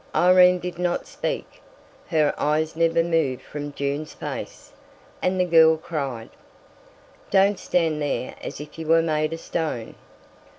Irene did not speak, her eyes never moved from Jun's face, and the girl cried: "Don't stand there as if you were made of stone!"